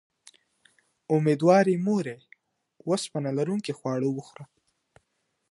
اميدوارې مورې، اوسپنه لرونکي خواړه وخوره